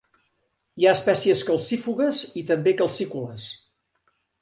Hi ha espècies calcífugues i també de calcícoles.